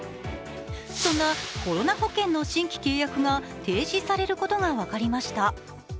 そんなコロナ保険の新規契約が停止されることが分かりました。